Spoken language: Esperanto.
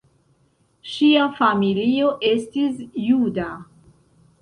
Ŝia familio estis juda.